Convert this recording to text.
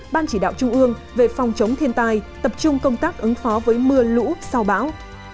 ban chỉ đạo trung ương về phòng chống thiên tai tập trung công tác ứng phó với mưa lũ sau bão